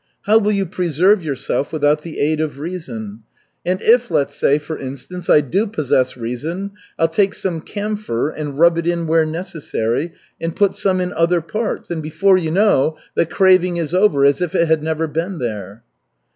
How will you preserve yourself without the aid of reason? And if, let's say, for instance, I do possess reason, I'll take some camphor and rub it in where necessary, and put some in other parts, and before you know, the craving is over as if it had never been there."